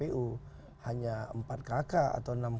setelah kita cek itu juga tidak di follow up oleh kpu